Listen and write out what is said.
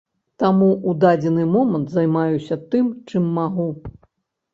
Таму ў дадзены момант займаюся тым, чым магу.